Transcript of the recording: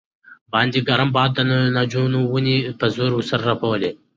باندې ګرم باد د ناجو ونې پاڼې په زور سره رپولې.